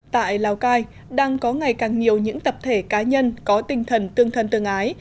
tại lào cai đang có ngày càng nhiều những tập thể cá nhân có tinh thần tương thân tương ái